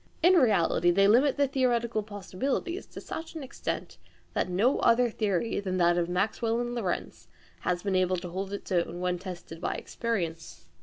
In reality they limit the theoretical possibilities to such an extent, that no other theory than that of Maxwell and Lorentz has been able to hold its own when tested by experience.